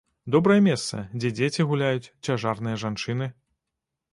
Добрае месца, дзе дзеці гуляюць, цяжарныя жанчыны.